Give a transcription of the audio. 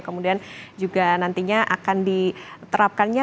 kemudian juga nantinya akan diterapkannya